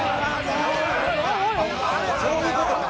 「そういう事か」